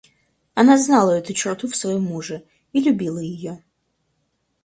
Она знала эту черту в своем муже и любила ее.